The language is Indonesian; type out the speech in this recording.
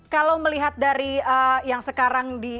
kalau melihat dari yang sekarang di